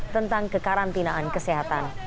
tentang kekarantinaan kesehatan